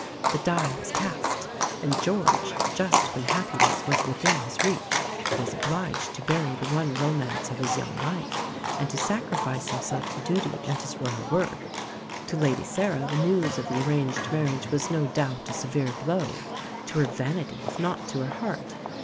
The die was cast; and George, just when happiness was within his reach, was obliged to bury the one romance of his young life and to sacrifice himself to duty and his Royal word. To Lady Sarah the news of the arranged marriage was no doubt a severe blow to her vanity, if not to her heart.